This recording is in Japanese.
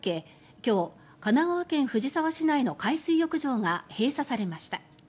今日、神奈川県藤沢市内の海水浴場が閉鎖されました。